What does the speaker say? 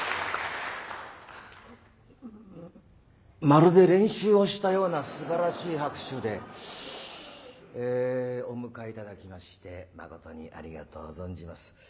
まるで練習をしたようなすばらしい拍手でお迎え頂きましてまことにありがとう存じます。